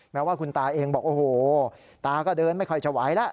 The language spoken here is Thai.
แม้ว่าคุณตาเองบอกโอ้โหตาก็เดินไม่ค่อยจะไหวแล้ว